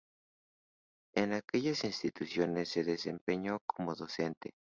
En aquellas instituciones se desempeñó como docente.